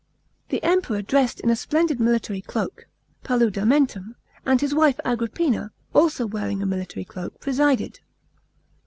The Kmpero'1, dressed in a splendid military cloak (paludamentum] , and his wile Agrippina, also wearing a military cloak, presided.